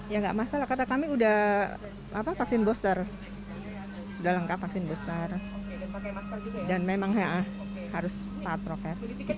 ya nggak masalah karena kami sudah vaksin booster sudah lengkap vaksin booster dan memang harus taat prokes